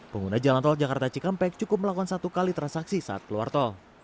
pengguna jalan tol jakarta cikampek cukup melakukan satu kali transaksi saat keluar tol